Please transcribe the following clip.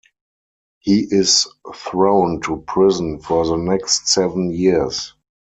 He is thrown to prison for the next seven years.